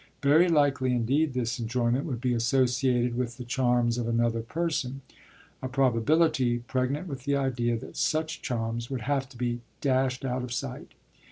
Very likely indeed this enjoyment would be associated with the charms of another person a probability pregnant with the idea that such charms would have to be dashed out of sight.